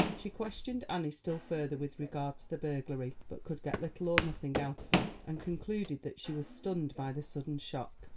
She questioned Annie still further with regard to the burglary; but could get little or nothing out of her, and concluded that she was stunned by the sudden shock.